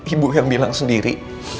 ibu yang bilang sendiri